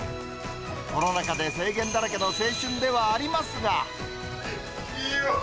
コロナ禍で制限だらけの青春ではありますが。